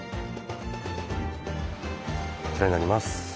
こちらになります。